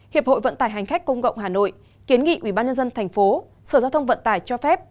hiệp hội vận tải hành khách công cộng hà nội kiến nghị ubnd tp sở giao thông vận tải cho phép